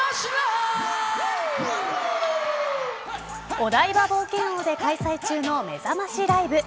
お台場冒険王で開催中のめざましライブ